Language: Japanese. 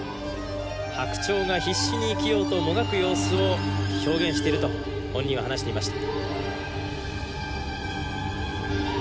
白鳥が必死に生きようともがく様子を表現していると本人は話していました。